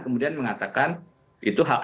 kemudian mengatakan itu hak